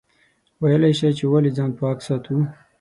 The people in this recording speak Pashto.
ویلای شئ چې ولې ځان پاک ساتو؟